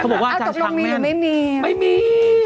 เขาบอกว่าอาจารย์ช้างแม่นตกลงมีหรือไม่มี